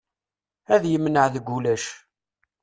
Ad yemneɛ deg ulac.